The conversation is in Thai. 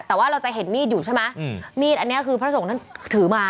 แต่ว่าเราจะเห็นมีดอยู่ใช่ไหมมีดอันนี้คือพระสงฆ์ท่านถือมา